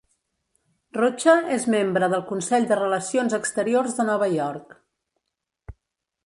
Rocha és membre del Consell de Relacions Exteriors de Nova York.